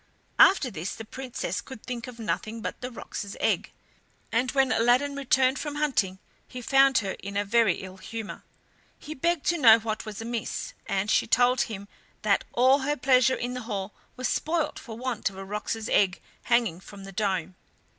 After this the Princess could think of nothing but the roc's egg, and when Aladdin returned from hunting he found her in a very ill humour. He begged to know what was amiss, and she told him that all her pleasure in the hall was spoilt for want of a roc's egg hanging from the dome.